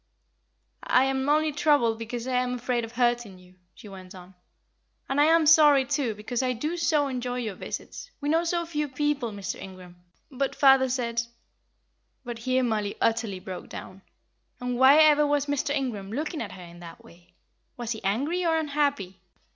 "I am only troubled because I am afraid of hurting you," she went on; "and I am sorry, too, because I do so enjoy your visits. We know so few people, Mr. Ingram; but father said " But here Mollie utterly broke down. And why ever was Mr. Ingram looking at her in that way? Was he angry or unhappy?